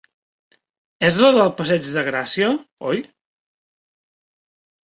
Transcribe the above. És la de Passeig de Gràcia, oi?